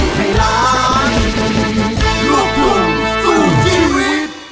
แค่ใจ